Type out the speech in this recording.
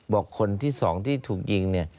บอกคนที่สองที่ถูกยิงเนี่ย